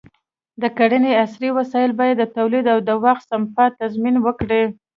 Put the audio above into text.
د کرنې عصري وسایل باید د تولید او د وخت سپما تضمین وکړي.